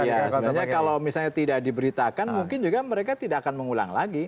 iya sebenarnya kalau misalnya tidak diberitakan mungkin juga mereka tidak akan mengulang lagi